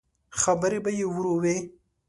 خبرې به يې ورو وې.